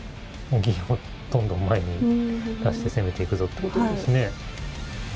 どんどん前に出して、攻めていくぞっていうことですね。